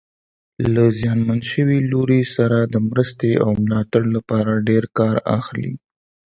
له زیانمن شوي لوري سره د مرستې او ملاتړ لپاره ډېر کار اخلي.